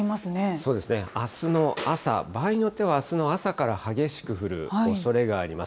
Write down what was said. そうですね、あすの朝、場合によってはあすの朝から激しく降るおそれがあります。